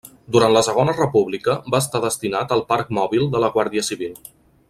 Durant la Segona República va estar destinat al Parc Mòbil de la Guàrdia Civil.